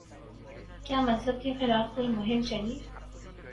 کیا مذہب کے خلاف کوئی مہم چلی؟